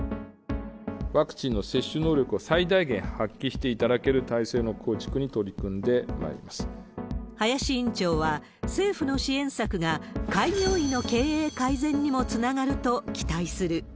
ワクチンの接種能力を最大限発揮していただける体制の構築に林院長は、政府の支援策が開業医の経営改善にもつながると期待する。